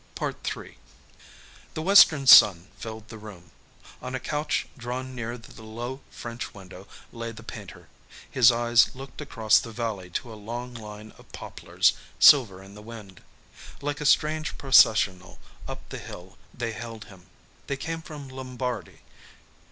III The western sun filled the room. On a couch drawn near the low French window lay the painter. His eyes looked across the valley to a long line of poplars, silver in the wind. Like a strange processional, up the hill, they held him. They came from Lombardy.